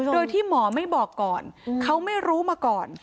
โดยที่หมอไม่บอกก่อนเขาไม่รู้มาก่อน